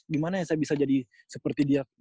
gimana ya saya bisa jadi seperti dia